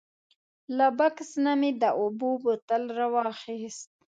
له بکس نه مې د اوبو بوتل راواخیست.